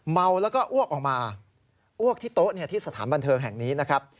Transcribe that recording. เมาแล้วก็อ้วกออกมาอ้วกที่โต๊ะที่สถานบันเทิงแห่งนี้นะครับ